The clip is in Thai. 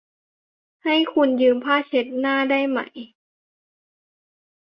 ให้คุณยืมผ้าเช็ดหน้าได้ไหม ?